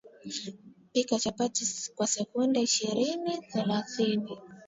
Pika chapati kwa sekunde ishirini thelathini